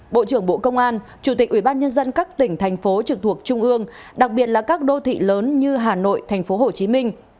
bộ trưởng bộ công an chủ tịch ubnd các tỉnh thành phố trực thuộc trung ương đặc biệt là các đô thị lớn như hà nội tp hcm